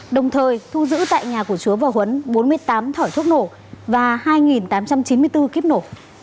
đồng thời thu giữ tại nhà của chúa và huấn bốn mươi tám thỏi thuốc nổ và hai tám trăm chín mươi bốn kiếp nổ